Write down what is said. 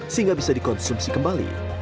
sehingga bisa dikonsumsi kembali